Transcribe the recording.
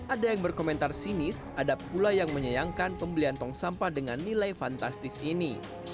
ada yang berkomentar sinis ada pula yang menyayangkan pembelian tong sampah dengan nilai fantastis ini